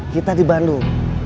kita di bandung